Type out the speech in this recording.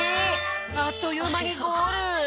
あっというまにゴール！